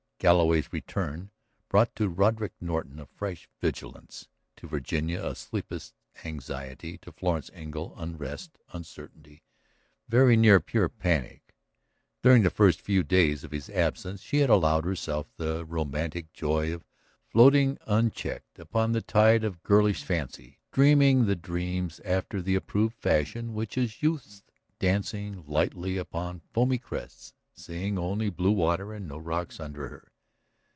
Galloway's return brought to Roderick Norton a fresh vigilance, to Virginia a sleepless anxiety, to Florence Engle unrest, uncertainty, very nearly pure panic. During the first few days of his absence she had allowed herself the romantic joy of floating unchecked upon the tide of a girlish fancy, dreaming dreams after the approved fashion which is youth's, dancing lightly upon foamy crests, seeing only blue water and no rocks under her.